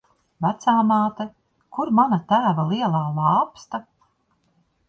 Vecāmāte, kur mana tēva lielā lāpsta?